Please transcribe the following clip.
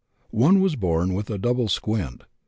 One was born with a double squint.